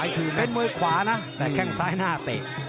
คือเป็นมวยขวานะแต่แข้งซ้ายหน้าเตะ